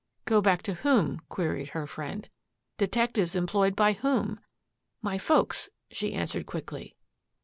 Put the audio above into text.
"Go back to whom?" queried her friend. "Detectives employed by whom?" "My folks," she answered quickly.